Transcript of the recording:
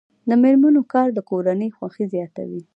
د میرمنو کار د کورنۍ خوښۍ زیاتوي.